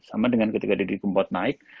sama dengan ketika didi kempot naik